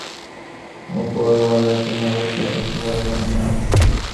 আমার স্বামী মাথার উপরে একজন উপরওয়ালাকে না বসাইয়া থাকিতে পারিতেন না।